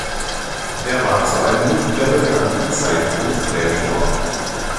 Er war zu einem nicht mehr bekannten Zeitpunkt Prätor.